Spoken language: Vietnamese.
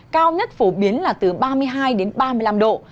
cao nhất phổ biến là từ ba mươi hai đến ba mươi năm độ